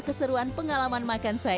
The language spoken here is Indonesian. kalau udah di tab mint optional mohon saya